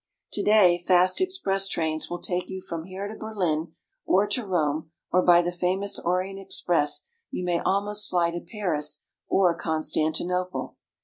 To day fast express trains will take you from here to Berlin or to Rome, or by the famous Orient Express you may almost fly to Paris or Constanti nople.